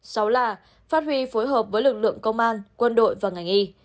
sáu là phát huy phối hợp với lực lượng công an quân đội và ngành y